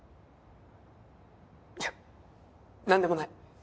いやなんでもない。